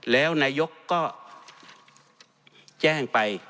แล้วนายกรัฐมนตรีก็แจ้งไป